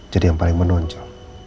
jadi yang paling menonjol